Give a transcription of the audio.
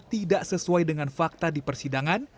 tidak sesuai dengan fakta di persidangan